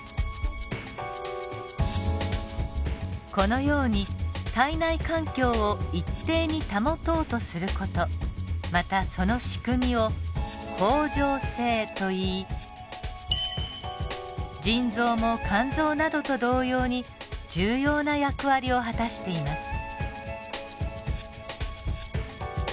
このように体内環境を一定に保とうとする事またその仕組みを恒常性といい腎臓も肝臓などと同様に重要な役割を果たしています。